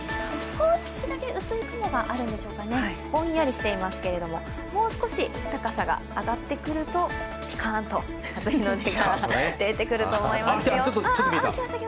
少しだけ薄い雲があるんでしょうかね、ぼんやりしていますけどもう少し高さが上がってくると、ピカーンと初日の出が出てくると思いますよ。